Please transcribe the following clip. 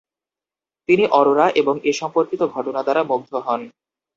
তিনি অরোরা এবং এ সম্পর্কিত ঘটনা দ্বারা মুগ্ধ হন।